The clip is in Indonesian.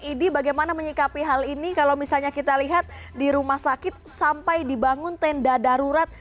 idi bagaimana menyikapi hal ini kalau misalnya kita lihat di rumah sakit sampai dibangun tenda darurat